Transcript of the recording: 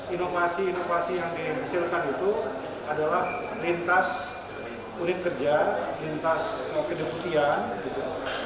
inovasi inovasi yang dihasilkan itu adalah lintas unit kerja lintas kedeputian gitu